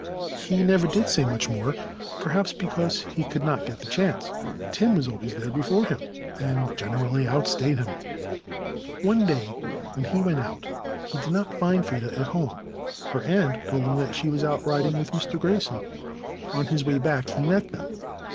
And he never did say much more—perhaps because he could not get the chance. Tim was always there before him and generally outstayed him. One day when he went out he did not find Freda at home. Her aunt told him that she was out riding with Mr. Grayson. On his way back he met them.